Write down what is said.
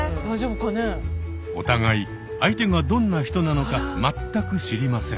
お互い相手がどんな人なのか全く知りません。